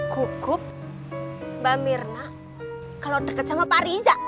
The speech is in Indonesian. gugup mbak mirna kalau deket sama pak riza